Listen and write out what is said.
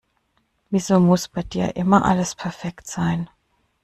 Wieso muss bei dir immer alles perfekt sein?